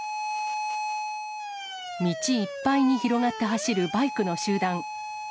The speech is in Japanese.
道いっぱいに広がって走るバイクの集団。